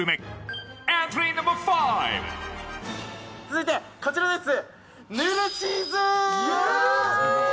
続いてこちらです！